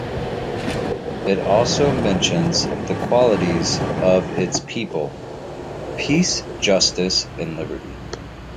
It also mentions the qualities of its people: peace, justice, and liberty.